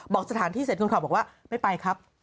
บอกสถานที่เสร็จคนขับบอกว่าไม่ไปครับ